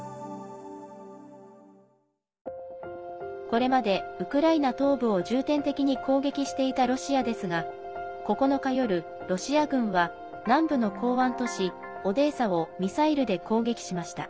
これまで、ウクライナ東部を重点的に攻撃していたロシアですが９日夜、ロシア軍は南部の港湾都市オデーサをミサイルで攻撃しました。